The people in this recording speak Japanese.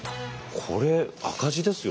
これ赤字ですよ。